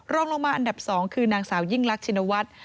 รองลงมาอันดับ๒คือนางสาวยิ่งรักชินวัฒน์